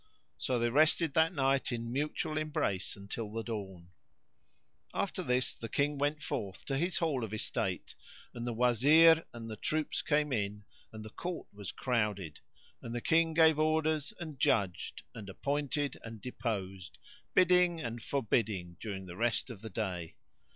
So they rested that night in mutual embrace until the dawn. After this the King went forth to his Hall of Estate, and the Wazir and the troops came in and the court was crowded, and the King gave orders and judged and appointed and deposed, bidding and forbidding during the rest of the day.